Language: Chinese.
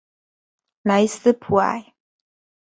莱斯普埃。